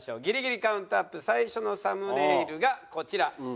ギリギリカウントＵＰ最初のサムネイルがこちら。